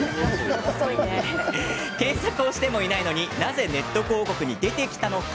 検索をしてもいないのになぜネット広告に出てきたのか。